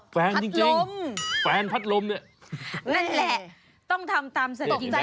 แฟนจริงแฟนพัดลมเนี่ยนั่นแหละต้องทำตามศักดิ์ภรรยาเอาไว้